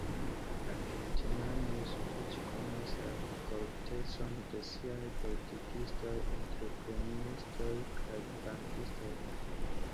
Argentinanoj sufiĉe konas la koruptecon de siaj politikistoj, entreprenistoj kaj bankistoj.